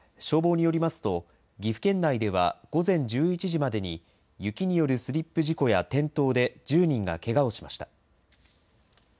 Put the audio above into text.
消防によりますと岐阜県内では午前１１時までに雪によるスリップ事故や転倒で１０人がけがをしました。